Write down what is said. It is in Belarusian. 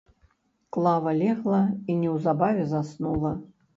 Клава легла і неўзабаве заснула.